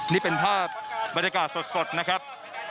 นี่เป็นภาพบรรยากาศสดนะครับ